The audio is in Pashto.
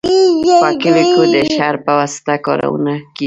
په کلیو کې د اشر په واسطه کارونه کیږي.